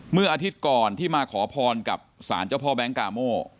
เมื่ออาทิตย์ก่อนที่มาขอพรกับสารเจ้าพ่อแบงค์กาโม